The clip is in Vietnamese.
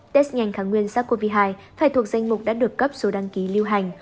test nhanh kháng nguyên sars cov hai phải thuộc danh mục đã được cấp số đăng ký lưu hành